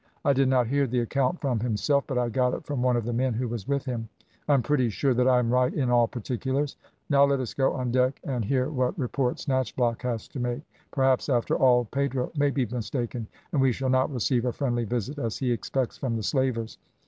I did not hear the account from himself, but I got it from one of the men who was with him. I am pretty sure that I am right in all particulars. Now let us go on deck and hear what report Snatchblock has to make. Perhaps after all Pedro may be mistaken, and we shall not receive a friendly visit as he expects from the slavers.